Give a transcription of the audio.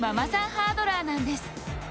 ハードラーなんです。